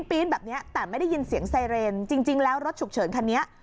ปี๊ดแบบนี้แต่ไม่ได้ยินเสียงไซเรนจริงแล้วรถฉุกเฉินคันนี้